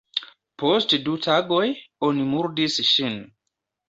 Post du tagoj, oni murdis ŝin.